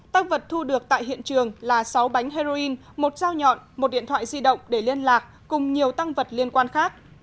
tăng vật thu được tại hiện trường là sáu bánh heroin một dao nhọn một điện thoại di động để liên lạc cùng nhiều tăng vật liên quan khác